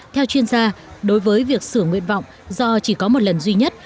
theo chuyên gia đối với việc sửa nguyện vọng do chỉ có một lần duy nhất